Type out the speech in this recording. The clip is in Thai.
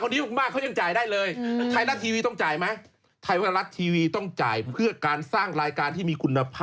ทำบุญอย่างไรเอาอย่างนี้ดี